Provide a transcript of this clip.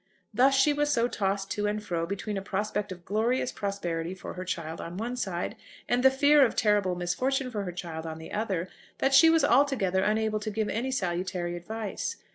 Thus she was so tossed to and fro between a prospect of glorious prosperity for her child on one side, and the fear of terrible misfortune for her child on the other, that she was altogether unable to give any salutary advice.